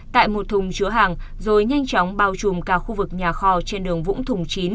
tại một thùng chứa hàng rồi nhanh chóng bao trùm cả khu vực nhà kho trên đường vũng thùng chín